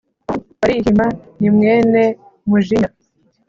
Barihima ni mwene Mujinya.